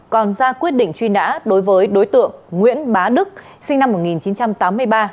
còn ra quyết định truy nã đối với đối tượng nguyễn bá đức sinh năm một nghìn chín trăm tám mươi ba